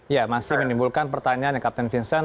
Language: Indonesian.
ya masih menimbulkan pertanyaan yang kapten vincent